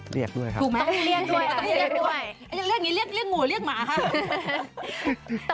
เรียกด้วยครับต้องเรียกด้วยเรียกงูเรียกหมาครับ